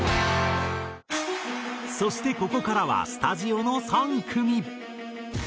そしてここからはスタジオの３組。